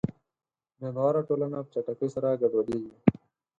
بېباوره ټولنه په چټکۍ سره ګډوډېږي.